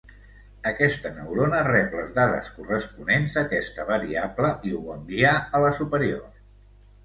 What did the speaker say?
Aquesta neurona rep les dades corresponents d'aquesta variable i ho envia a la superior.